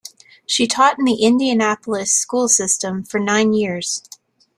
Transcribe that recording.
She taught in the Indianapolis School System for nine years.